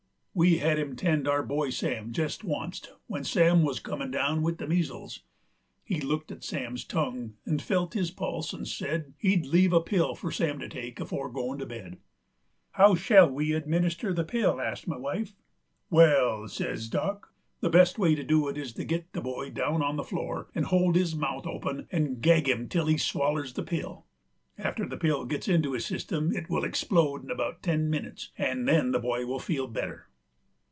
We had him tend our boy Sam jest oncet when Sam wuz comin' down with the measles. He looked at Sam's tongue 'nd felt his pulse 'nd said he'd leave a pill for Sam to take afore goin' to bed. "How shell we administer the pill?" asked my wife. "Wall," says Dock, "the best way to do is to git the boy down on the floor 'nd hold his mouth open 'nd gag him till he swallers the pill. After the pill gits into his system it will explode in about ten minnits, 'nd then the boy will feel better."